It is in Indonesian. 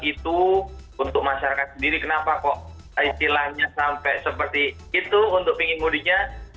itu untuk masyarakat sendiri kenapa kok istilahnya sampai seperti itu untuk ingin mudiknya